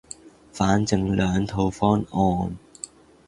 反正兩套方案